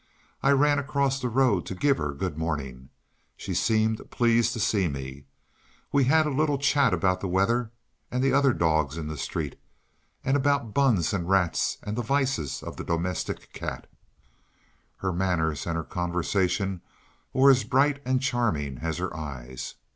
I ran across the road to give her good morning. She seemed pleased to see me. We had a little chat about the weather and the other dogs in the street, and about buns, and rats, and the vices of the domestic cat. Her manners and her conversation were as bright and charming as her eyes.